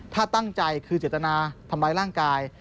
ถ้าตั้งใจคือเจตนาทำร้ายร่างกาย